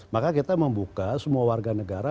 maka kita membuka semua warga negara